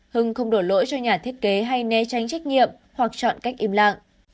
hương không đổ lỗi cho nhà thiết kế hay né tránh trách nhiệm hoặc chọn cách im lặng